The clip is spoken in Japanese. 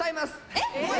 えっ？